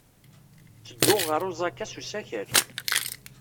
Ttedduɣ ɣer Osaka s usakal.